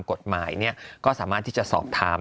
กฎหมายก็สามารถที่จะสอบถาม